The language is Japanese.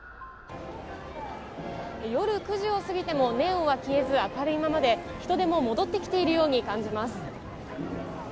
夜９時を過ぎてもネオンは消えず明るいままで、人出も戻ってきているように感じます。